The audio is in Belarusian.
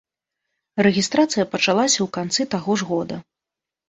Рэгістрацыя пачалася ў канцы таго ж года.